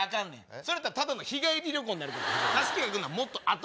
それやとただの日帰り旅行になる助けが来るのはもっと後。